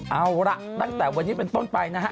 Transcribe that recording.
เอาล่ะตั้งแต่วันนี้เป็นต้นไปนะฮะ